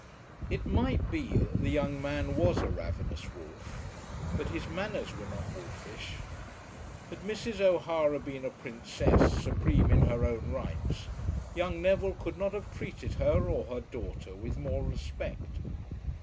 It might be that the young man was a ravenous wolf, but his manners were not wolfish. Had Mrs. O'Hara been a princess, supreme in her own rights, young Neville could not have treated her or her daughter with more respect.